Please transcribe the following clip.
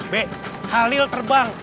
bek halil terbang